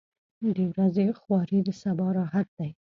• د ورځې خواري د سبا راحت دی.